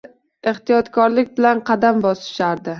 Kimlardir ehtiyotkorlik bilan qadam bosishardi.